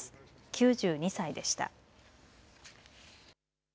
９２歳でした。